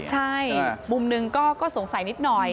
ใช่มุมหนึ่งก็สงสัยนิดหน่อย